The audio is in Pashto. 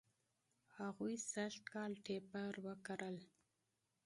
هغوی سږ کال ټیپر و کرل.